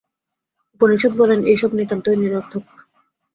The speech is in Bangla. উপনিষদ বলেন, এই সব নিতান্তই নিরর্থক।